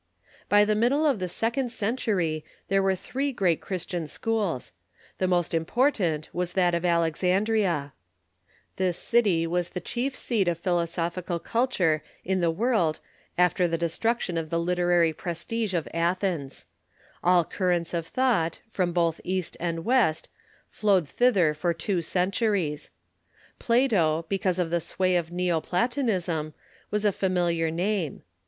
By the middle of the second century there were three great Christian schools. The most important was that of Alexan THE CIIRISTIAX SCHOOLS 37 drill. Tliis city was the chief seat of philosophical culture in the world after the destruction of the literary prcs Aiexandrian ^^^ Athens. All currents of thoucrht, from both school ~. East and West, flowed tliither for two centuries, Plato, because of the sway of Neo Platonism, was a familiar name.